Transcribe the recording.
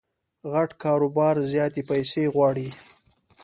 غټ کاروبار زیاتي پیسې غواړي.